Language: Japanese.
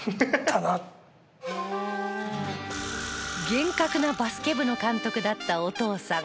厳格なバスケ部の監督だったお父さん。